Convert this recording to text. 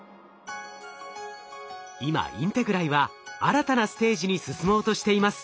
今ＩｎｔｅｇｒＡＩは新たなステージに進もうとしています。